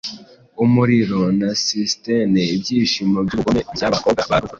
umuriro na cisitine Ibyishimo byubugome byabakobwa ba Luva,